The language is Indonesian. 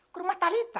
ke rumah talitha